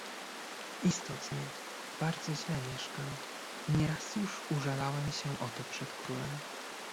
"Istotnie, bardzo źle mieszkam i nieraz już użalałem się o to przed królem."